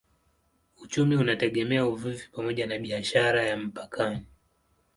Uchumi unategemea uvuvi pamoja na biashara ya mpakani.